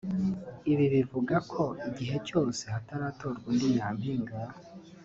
Ibi bivuga ko igihe cyose hataratorwa undi nyampinga